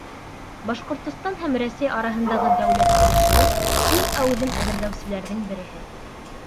Башҡортостан һәм Рәсәй араһындағы дәүләт килешеүен иң әүҙем әҙерләүселәрҙең береһе.